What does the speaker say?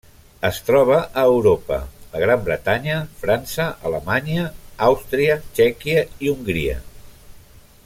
Es troba a Europa: la Gran Bretanya, França, Alemanya, Àustria, Txèquia i Hongria.